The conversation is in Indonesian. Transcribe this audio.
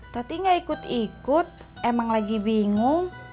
tapi gak ikut ikut emang lagi bingung